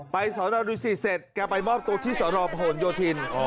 ไปสนอดุศิษฐ์เสร็จแกไปมอบตัวที่สนห่วนโยธิน